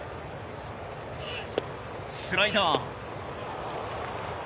スライダー。